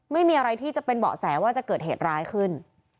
ไม่มีอะไรที่จะเป็นเบาะแสว่าจะเกิดเหตุร้ายขึ้น